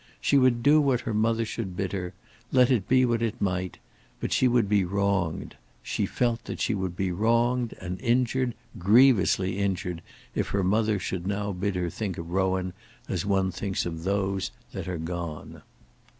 She would do what her mother should bid her, let it be what it might; but she would be wronged, she felt that she would be wronged and injured, grievously injured, if her mother should now bid her think of Rowan as one thinks of those that are gone.